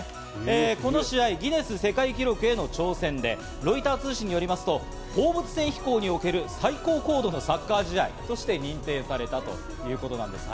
この試合、ギネス世界記録への挑戦でロイター通信によりますと、放物線飛行における最高高度のサッカー試合として認定されたということなんです。